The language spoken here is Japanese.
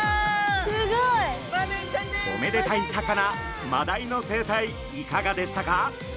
すごい！おめでたい魚マダイの生態いかがでしたか？